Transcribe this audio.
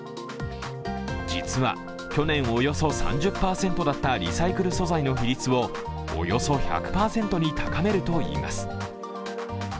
実は去年およそ３０％だったリサイクル素材の比率をおよそ１００％に高めるといいます。